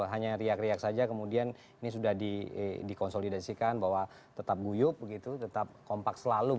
hanya riak riak saja kemudian ini sudah dikonsolidasikan bahwa tetap guyup begitu tetap kompak selalu